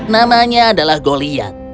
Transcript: namanya adalah goliat